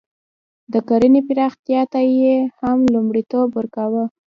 د کرنې پراختیا ته یې هم لومړیتوب نه ورکاوه.